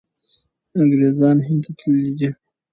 انګریزان هند ته تللي دي.